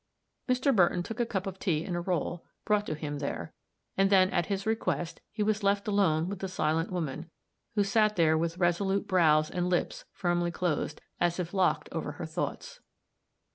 Mr. Burton took a cup of tea and a roll, brought to him there; and then, at his request, he was left alone with the silent woman, who sat there with resolute brows and lips firmly closed, as if locked over her thoughts.